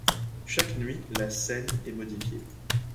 Chaque nuit, la scène est modifiée.